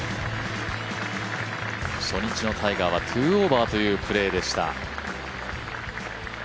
初日のタイガーは２オーバーというプレーでした。